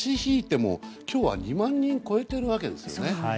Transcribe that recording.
今日は２万人を超えているわけですね。